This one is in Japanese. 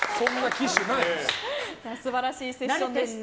素晴らしいセッションでした。